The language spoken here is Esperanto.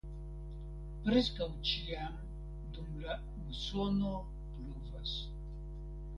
Preskaŭ ĉiam dum la musono pluvas.